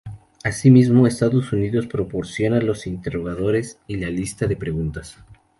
Asimismo Estados Unidos proporciona los interrogadores y la lista de preguntas.